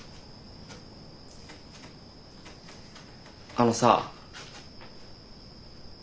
あのさ。